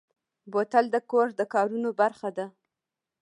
بوتل د کور د کارونو برخه ده.